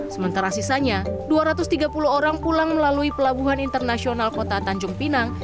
sementara sisanya dua ratus tiga puluh orang pulang melalui pelabuhan internasional kota tanjung pinang